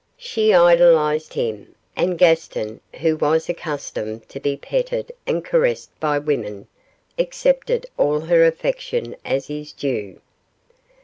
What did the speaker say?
She idolised him, and Gaston, who was accustomed to be petted and caressed by women, accepted all her affection as his due.